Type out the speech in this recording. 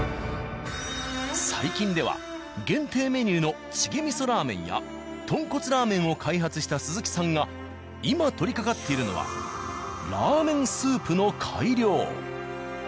最近では限定メニューのチゲ味噌ラーメンやとんこつラーメンを開発した鈴木さんが今取りかかっているのはラーメンスープの改良。